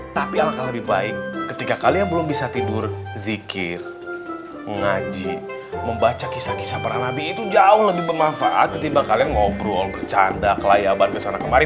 tapi ala kelebih baik ketika kalian belum bisa tidur zikir ngaji membaca kisah kisah peran nabi itu jauh lebih bermanfaat ketimbang kalian ngobrol bercanda kelayaban kesana kemari baiknya